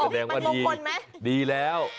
มันกระแดงว่าดีดีแล้ว